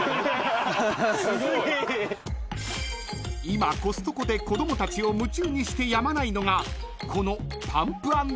［今コストコで子供たちを夢中にしてやまないのがこの］